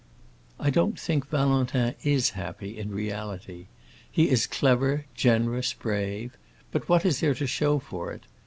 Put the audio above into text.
"I don't think Valentin is happy, in reality. He is clever, generous, brave; but what is there to show for it?